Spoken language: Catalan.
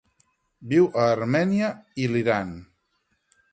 Viu a Armènia i l'Iran.